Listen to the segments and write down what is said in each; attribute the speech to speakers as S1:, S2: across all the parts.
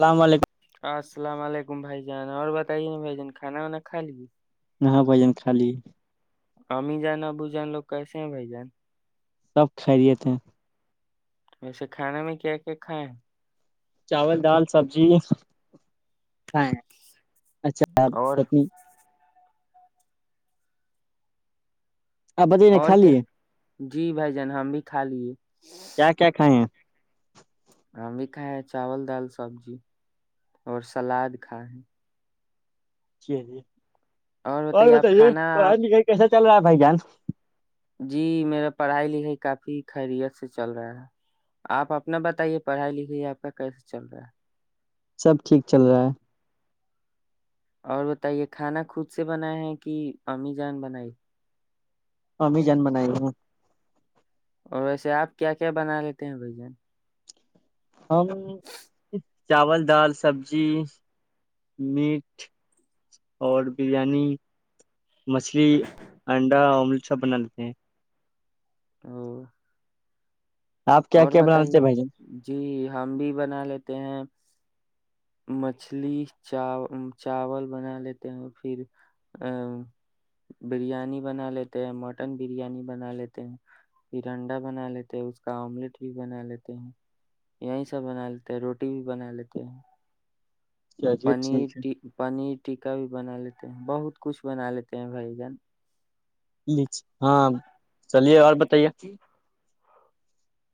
S1: اللام علیکم
S2: السلام علیکم بھائی جانا اور بتائیےا بھائی جان کانا وانا کا لیجی
S1: نہاں بھ جن خالی
S2: امی جان ابو جان لوگ کیس ہیں بائی جان
S1: سب خیریت ہیں
S2: ویسے کھانے میں کیا کیا کھائے ہیں
S1: چاول دال سبزی اچھا
S2: اور
S1: چٹنی آ بجائی
S2: اور کیا
S1: خالی ہے
S2: جی بھ جان ہم بھی کھا لیے
S1: کیا کیا [inaudible]
S2: ہماں بھی کھائے ہے چاول دال سبزی اور سلاد کھا ہے
S1: جی جی
S2: اور
S1: تو آ
S2: آپ
S1: بتائیے
S2: کھانا
S1: کو آج ن کہ کیسا چل رہا ہے بھائی جان
S2: جی میرا پڑھائی لکھائی کافی خیریت سے چل رہا ہے آپ اپنا بتائیے پڑھائی لکھائی آپ کا کیسے چل رہا ہے
S1: سب ٹھیک چل رہا ہے
S2: اور بتائیے کھانا خود سے بنایا ہے کہ امی جان بنائی
S1: اورمی جن منائے ہوں
S2: اور ویسے آپ کیا کیا بنا لیتے ہیں بھ جان
S1: ہم چاول دال سبزی میٹ اور بریانی مچھلی انڈا آملیٹ سب بنا لیتے ہیں
S2: او
S1: آپ کیا
S2: اور
S1: کیا بنانا
S2: بتائیے
S1: تھ بھائی جان
S2: جی ہم بھی بنا لیتے ہیں مچھلی چا چاول بنا لیتے ہیں پھر ا بریانی بنا لیتے ہیں مٹن بریانی بنا لیتے ہیں پھر انڈا بنا لیتے ہیں اس کا آملیٹ بھی بنا لیتے ہیں یہیں سب بنا لیتے ہیں روٹی بھی بنا لیتے ہیں
S1: چلیے
S2: پنیر
S1: ٹھیک
S2: پنیر ٹیکا بھی بنا لیتے ہیں بہت کچھ بنا لیتے ہیں بھائی جن
S1: چ ہاں چلیے اور بتائیے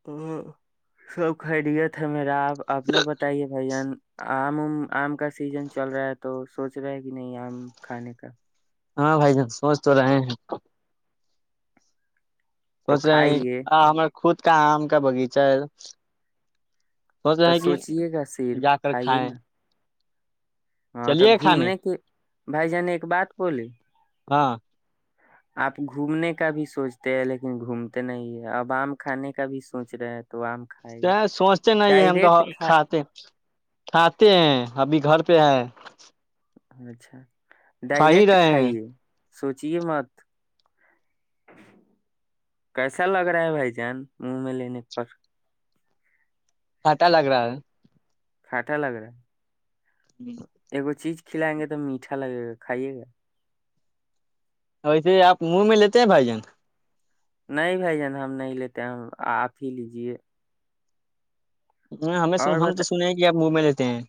S2: ا سب خیریت ہے میرا آپ اپنا بتائیے بھائیان آمم آم کا سیزن چل رہا ہے تو سوچ رہا ہے کہ نہیں آم کھانے کا
S1: ہاں بھائی جان سوچ تو رہے ہیں
S2: تو
S1: سوچ رہے ہیں
S2: کھائیے
S1: آ ہم خود کا آم کا باغیچہ ہے سوچ
S2: تو
S1: رہے ہیں کہ
S2: سوچیے گا صرف
S1: جا کر
S2: کھائیے
S1: کھائیں
S2: نا ہاں تو
S1: چلیے کھانے
S2: گھومنے کے بھائی جن ایک بات بولی
S1: ہاں
S2: آپ گھومنے کا بھی سوچتے ہیں لیکن گھومتے نہیں ہیں ابام کھانے کا بھی سوچ رہے ہیں تو آم کھائے
S1: س سوچتے نہیں ہے ہم تو
S2: ڈائریکٹ کھا
S1: کھاتے کھاتے ہیں ابھی گھر پہ ہے
S2: اچھا
S1: کھا ہی
S2: ڈائریکٹ
S1: رہے ہیں
S2: کھائیے سوچیے مت کیسا لگ رہا ہے بھائی جان منہ میں لینے پر
S1: پتہ لگ رہا ہے
S2: کھٹا لگ رہا ہے اگو چی کھلائیں گے تو میٹھا لگے گا کھائیے گا
S1: ویسے آپ منہ میں لیتے ہیں بھائی جانگ
S2: نہیں بھائی جان ہم نہیں لیتے ہم آپ ہی لیجے
S1: نہ ہمیں س ہم
S2: بتا
S1: تو سنے گ آپ م میں لیتے ہیں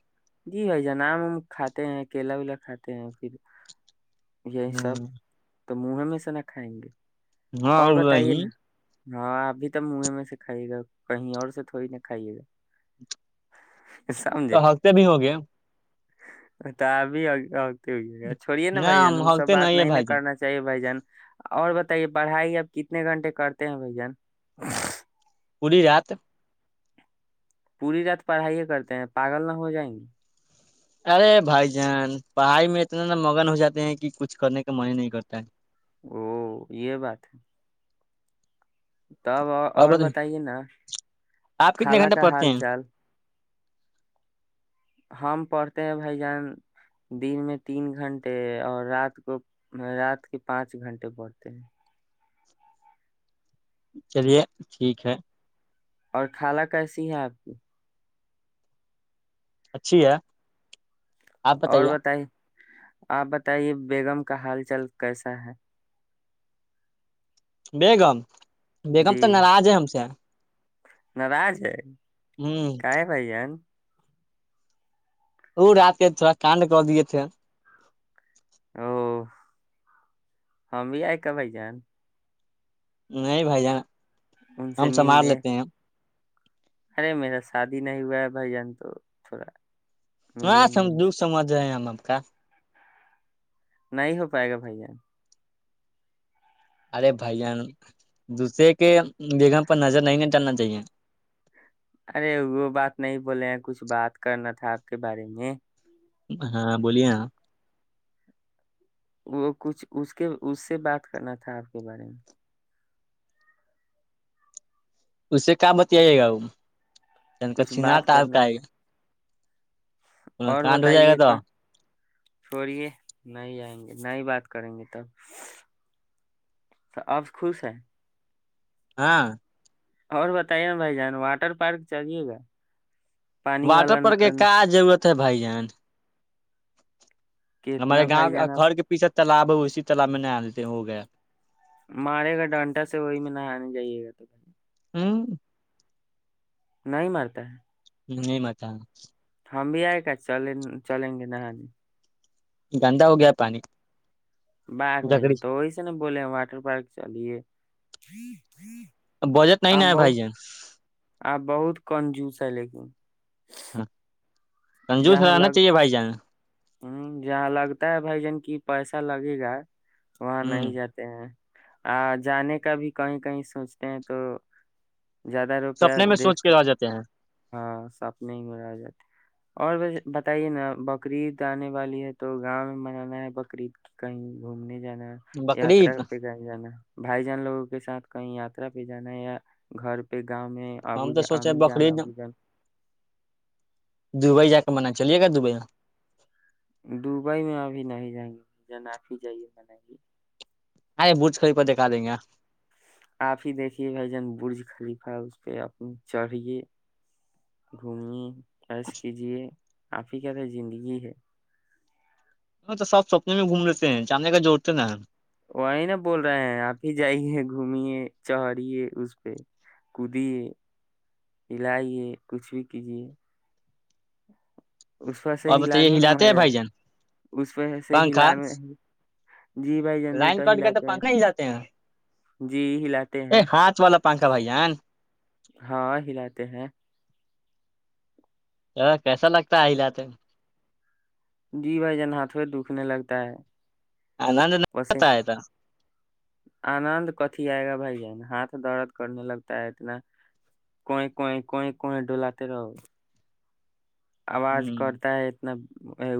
S2: جی بھائی جناب ہم کھاتے ہیں کیلا ولا کھاتے ہیں پھر یہی سب تو منہے میں سے نہ کھائیں گے
S1: ہاں
S2: اور
S1: ا
S2: بتائیے نا ہاں ابھی تو منہ میں سےکھھائیے گا کہیں اور سے تھوڑی نہ کھائیے گا
S1: تو ہفتے بھی ہو گئے
S2: ت بھی چھوڑیے نا
S1: نہ
S2: بھ جن
S1: ہم
S2: وہ سب
S1: ہکتے
S2: بات
S1: ہے
S2: نہیں ن
S1: بھائی جان
S2: کرنا چاہیے بھجن اور بتائیے پڑھائی اب کتنے گھنٹے کرتے ہیں بھائی جان
S1: پوری رات
S2: پوری رات پڑھائیے کرتے ہیں پاگل نہ ہو جائیں گی
S1: ارے بھائی جان پڑھائی میں اتنا مگن ہو جاتے ہیں کہ کچھ کرنے کا من ہی نہیں کرتا ہے
S2: او یہ بات ہے توب اور بتائیے نا
S1: آپ کتنے
S2: خالہ
S1: گھنٹے
S2: کا
S1: پڑھتے
S2: حال
S1: ہیں
S2: چال ہم پڑھتے ہیں بھائی جان دن میں تین گھنٹے اور رات کو رات کے پانچ گھنٹے پڑھتے ہیں
S1: چلیے ٹھیک ہے
S2: اور خالہ کیسی ہے آپ کی
S1: اچھی ہے آپ
S2: اور
S1: بتائیے
S2: بتائی آپ بتائیے بیگم کا حال چال کیسا ہے
S1: بیگام بیگم تو ناراض ہے ہم سے
S2: ن راج ہے
S1: ہوں
S2: کاائے بھائی ہےین
S1: وہ رہ آتے تھوڑا کانڈ کر دیے تھے
S2: او ہاں بھی آئے کا بھائی جان
S1: نہیں بھائی جان
S2: ان سے
S1: ہم سنبار
S2: ملنے
S1: لیتے ہیں
S2: ارے میرا شادی نہیں ہوا ہے بھائی جان تو تھوڑا
S1: ہاں س
S2: ملیں گے ان سے
S1: دکھ سمجھائے آم ہم کا
S2: نہیں ہو پائے گا بھائی جان
S1: ارے بھائیان دوسرے کے جگہ پر نظر نہیں ڈالنا چاہیے
S2: ارے وہ بات نہیں بولے ہیں کچھ بات کرنا تھا آپ کے بارے میں
S1: ہاں بولیے ن
S2: وہ کچھ اس کے اس سے بات کرنا تھا آپ کے بارے میں
S1: اس سے کا بت آئیے گا وہ ج کا
S2: کچھ
S1: چناٹ
S2: بات
S1: آال
S2: کرنا
S1: کا ہے کانڈ ہو جائے گا تو
S2: چوڑے نہیں آئیں گے نہیں ہی بات کریں گے تب اب خوش ہے
S1: ہاں
S2: اور بتائیے نا بھائی جان واٹر پارک چلیے گا پانی
S1: واٹر
S2: والا ن-
S1: پرک ہے
S2: ان-
S1: کا جگت ت بھائی جان ہمارے
S2: کتنا بھائی
S1: گاؤں
S2: جان آپ
S1: گھر کے پیچھا تالاب ہے اسی تالاب میں نہیں آ دیتے ہو گیا
S2: مارے گا ڈانٹا سے وہی میں نہ آنے جائیے گا تو
S1: ہوں
S2: نہیں مرتا ہے
S1: نہیں متا
S2: ہم بھی آئے گا چل چلیں گے نہاں جی
S1: گندا ہو گیا پانی
S2: باغ بھائی
S1: جکڑی
S2: تو وہی سے ن بولے ہیں واٹر پارک چلیے جی جی
S1: بجٹ نہیں نہیں بائی ج
S2: آ بہت کمزوس ہے لیکن
S1: ہاں سنجو
S2: جہاں
S1: سرناا
S2: لگ
S1: چاہیے بھائی جان
S2: ہوں جہاں لگتا ہے بھائی جن کی پیسہ لگے گا وہاں
S1: ہ
S2: نہیں جاتے ہیں آ جانے کا بھی کہیں کہیں سوچتے ہیں تو زیادہ روپیہ
S1: سپنے میں سوچ
S2: دیکھ
S1: کے آ جاتے ہیں
S2: ہاں سپنے ہی مرجات اور ب بتائیے نا بقرعید آنے والی ہے تو گاؤں میں منانا ہے بقرعید کہیں گھومنے جانا یاترا
S1: بقرعید
S2: پہ جیں جانا بھائی جان لوگوں کے ساتھ کہیں یاترا پہ جانا ہے یا گھر پہ گاؤں میں آبو
S1: ہم تو
S2: جو
S1: سوچے
S2: ہمیں
S1: بقرعید
S2: جانب
S1: دبئی جا کے من چلیے گا دبئی میں
S2: دبئی میں ابھی نہیں جائیں گے جنافی جائیے بن
S1: ااں بوجھ خری پہ دیکھا دیں گے
S2: آپ ہی دیکھیے بھائی جان برج خلیفہ اس پہ اپ چڑھیے گھمیے پش کیجیے آپی کیا تو زندگی ہے
S1: نہیں تو سب سپنے میں گھوم لیتے ہیں چانے کا جوڑتے نا
S2: وہی نا بول رہے ہیں آپ ہی جائیے گھمیے چڑھیے اس پہ کودیے ہلاائیے کچھ بھی کیجیے اس و سے
S1: اور بتائیے
S2: ہلانے میں
S1: ہلاتے ہیں
S2: مزہ
S1: بھائی
S2: ہے
S1: جان
S2: اس و سے
S1: پنکھا
S2: ہلانے جی بھائی جنو
S1: لائن
S2: تو
S1: کٹ کے
S2: ہلاتے ہیں
S1: پنکھا ہلاتے ہیں
S2: جی ہلاتے
S1: ا
S2: ہیں
S1: ہاتھ والا پنکھا بھائی جان
S2: ہاں ہلاتے ہیں
S1: ا کیسا لگتا ہے ہ لتے
S2: جی بھائی جن ہاتھوں میں دکھنے لگتا ہے
S1: آنند نہیں
S2: وسے
S1: آتا ہے تھا
S2: آنند کتھی آئے گا بھائی ہاتھ درد کرنے لگتا ہے اتنا کوئی کوئی کوئی کوئییں ڈلاتے رہو آواز
S1: ہ
S2: کرتا ہے اناب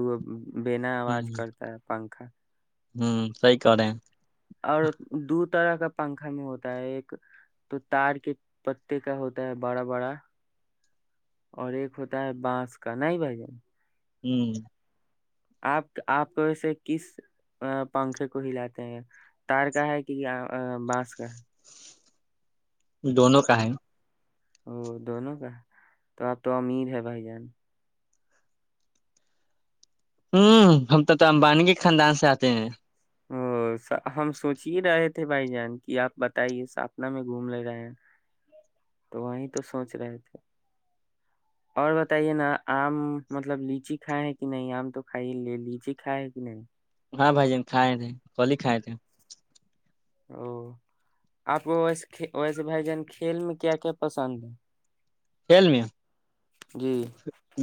S2: وہ بنا آواز کرتا ہے پنکھا
S1: ہوں سی ک رہ ہیں
S2: اور دھ طرح کا پنکھا میں ہوتا ہے ایک تو تار کے پتے کا ہوتا ہے بڑا بڑا اور ایک ہوتا ہے بانس کا نہیں بھائی جن
S1: ہوں
S2: آپ آپ کو ایے کس پنکھے کو ہلاتے ہیں تار کا ہے کہ یہ بانس کا ہے
S1: دونوں کا ہے
S2: ا دونوں کا تو اب تو امید ہے بھائی جان
S1: ہوں ہم تو تو امبانی کے خاندان سے آتے ہیں
S2: ا ہم سوچ ہی رہے تھے بھائی جان کہ آپ بتائیے ساپنا میں گھوم لے رہے ہیں تو وہیں تو سوچ رہے تھے اور بتائیے نا آم مطلب لچی کھائے ہے کہ نہیں آم تو کھائی ہی لے لیچی کھائے ہے کہ نہیں
S1: ہاں بھائی جن کھائے تھے کلی ہی کائے تھے
S2: او آپ کو وسے ویسے بھائی جان کھیل میں کیا کیا پسند ہے
S1: فل میں
S2: جی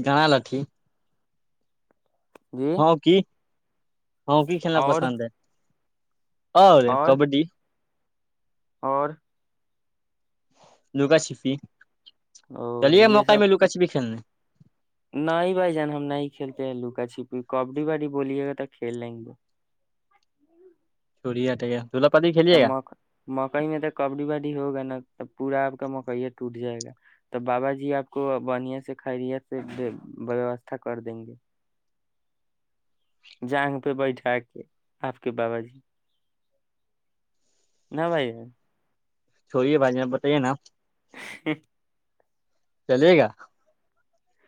S1: گنا لٹھی
S2: جی
S1: ہاں کی ہاںکی کھیلنا
S2: اور
S1: پسند ہے ہے
S2: اور
S1: کبڈی
S2: اور
S1: لوگا شفی
S2: او یہ سب
S1: کھیلنے
S2: نہیں ہی بھائی جان ہم نہیں کھیلتے لو پ کبڈی وڈی بی گ تھا کل لیںگ گ
S1: چوڑی آٹ گ
S2: توک مکئی میں تو کبڈی بڈی ہوگا نا اب پورا آپ کا مکیا ٹوٹ جائے گا تو بابا جی آپ کو بڑھیا سے خیریت سے ووستھا کر دیں گے جانگ پہ بیٹھا کے آپ کے بابا جی نہ بھائی
S1: چھوڑی ہے باجی آ بتائیے نا
S2: ہ [inaudible]
S1: چلے گا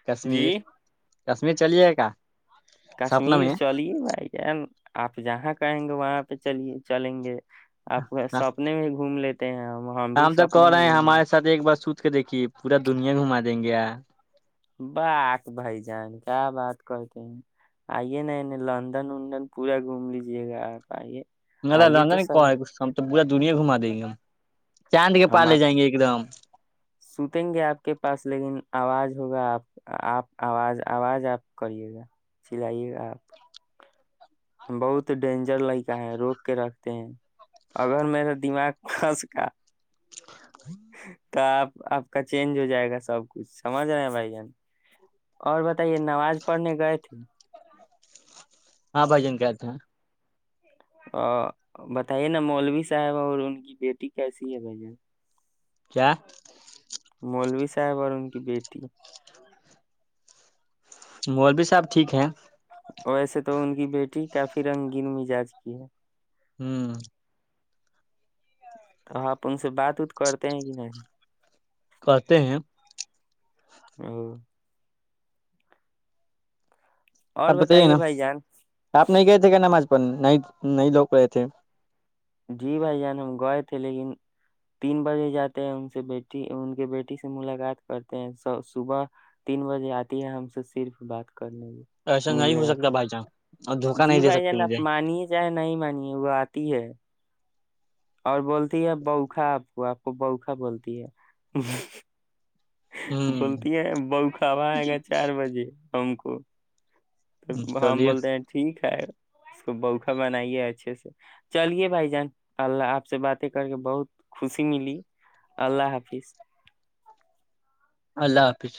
S1: کشمیر
S2: جی
S1: کشمیر چلیے کیا
S2: کشمیر چلیے بھائی کیا آپ جہاں کہیں گے وہاں پہ چلیے چلیں گے آپ سوپنے میں گھوم لیتے کہ
S1: ہم تو کہ رہے ہیں ہمارے ساتھ ایک بار سو کو دیکھیے پورا دنیا گھما دیں گے
S2: بااک بھائی جان کیا بات کرتے ہیں آئیے ن ن لندن وندن پورا گھوم لیجیے گا آپ آئیے
S1: ن
S2: آئیے
S1: ران
S2: تو
S1: نہیں کو
S2: صحیح
S1: ہے کرسام تو پورا دنیا گھما دیں گے ہم چاند کے
S2: ہم
S1: پار لے
S2: آپ
S1: جائیں گے ایک دم
S2: ستیں گے آپ کے پاس لیکن آواز ہوگا آپ آپ آواز آواز آپ کریے گا سلائیے گا آپ بہت ڈینجر لکا ہے روک کے رکھتے ہیں اگر میرا دماغ پھنس گ ہ [inaudible] تو آپ آپ کا چینج ہو جائے گا سب کچھ سمجھ رہے ہیں بھائی جان اور بتائیے نماز پڑھنے گئے تھے
S1: ہاں بھ جن کہتے ہیں
S2: ا بتائیے نا مولوی صاحب اور ان کی بیٹی کیسی ہے بھائی جان
S1: کیا [unintelligible]
S2: مولو صاحب اور ان کی بیٹی
S1: مول بھی صاحب ٹھیک ہے
S2: ویسے تو ان کی بیٹی کافی رنگین مزاج کی ہے
S1: ہوں
S2: تو آپ ان سے بات وت کرتے ہیں کہ نہیں
S1: کہتے ہیں
S2: ا [inaudible] اور
S1: آب بتائیے نا
S2: بھائی جان
S1: آپ نہیں گئے تھے کیا نم آج نہیں نہیں لوگ رہے تھے
S2: جی بھائی جان ہم گئے تھے لیکن تین بجے جاتے ہیں ان سے بیٹی ان کے بیٹی سے ملاقات کرتے ہیں صبح تین بجے آتی ہے ہم سے صرف بات کرنے لیے
S1: ایسا نہیں
S2: ملنے
S1: ہو سکتا
S2: آتی
S1: بائی چانس
S2: جی بھائی ج ن آپ مانیے چاہے نہیں مانیے وہ آتی ہے اور بولتی ہے بوکھا آپ کو آپ کو بوکھا بولتی ہے
S1: ہوں
S2: بولتی ہے بوخبا آئے گا چار بجے ہم کو ہم
S1: چلیے
S2: بولتے ہیں ٹھیک ہے اس کو بوکھا بنائیے اچھے سے چلیے بھائی جان اللہ آپ سے باتیں کر کے بہت خوشی ملی اللہ حافظ
S1: اللہ حافظ